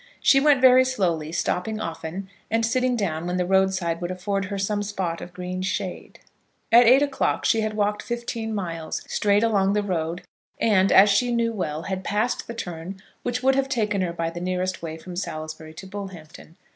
She went very slowly, stopping often and sitting down when the road side would afford her some spot of green shade. At eight o'clock she had walked fifteen miles, straight along the road, and, as she knew well, had passed the turn which would have taken her by the nearest way from Salisbury to Bullhampton.